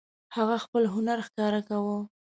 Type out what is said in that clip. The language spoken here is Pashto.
هغه خپل هنر ښکاره کاوه.